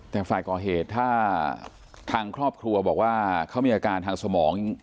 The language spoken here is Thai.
แต่ฝ่ายก่อเหตุถ้าทางครอบครัวบอกว่าเขามีอาการทางสมอง